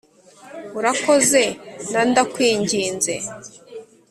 "urakoze," na "ndakwinginze."